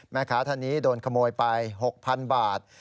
ท่านนี้โดนขโมยไป๖๐๐๐บาท